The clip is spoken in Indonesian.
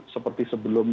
seperti sebelum ini